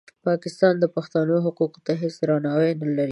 پاکستان د پښتنو حقوقو ته هېڅ درناوی نه لري.